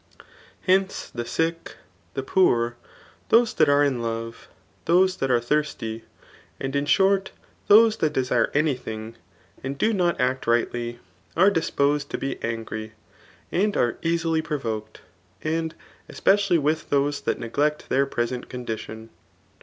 Hence the sick, the poor, those that are in love, those that are thirsty, and in short those that desire any thing, and do not act rightly, are disposed to be angry, and are easily provoked, and e^ecially with those that neglect their present Condition.